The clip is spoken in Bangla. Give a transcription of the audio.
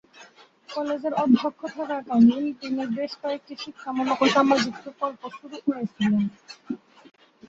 কলেজের অধ্যক্ষ থাকাকালীন তিনি বেশ কয়েকটি শিক্ষামূলক এবং সামাজিক প্রকল্প শুরু করেছিলেন।